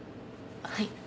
はい。